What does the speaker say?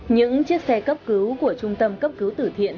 những chiếc xe cấp cứu của trung tâm cấp cứu tử thiện